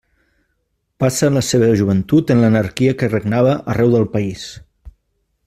Passa la seva joventut en l'anarquia que regnava arreu del país.